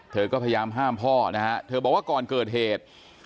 เธอก็พยายามห้ามพ่อนะฮะเธอบอกว่าก่อนเกิดเหตุ